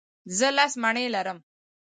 زه لس مڼې لرم.